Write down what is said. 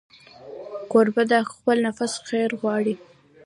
کوربه د خپل نفس خیر غواړي.